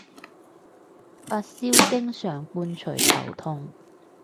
發燒經常伴隨頭痛